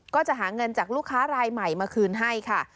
ก็จะหาเงินจากลูกค้ารายใหม่มาคืนให้ค่ะ